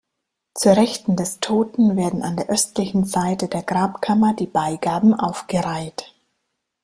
Zur Rechten des Toten werden an der östlichen Seite der Grabkammer die Beigaben aufgereiht.